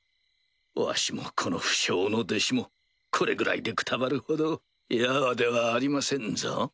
わしもこの不肖の弟子もこれぐらいでくたばるほどヤワではありませんぞ。